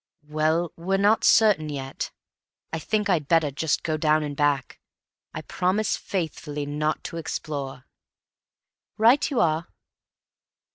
"Well, we're not certain yet. I think I'd better just go down and back. I promise faithfully not to explore." "Right you are."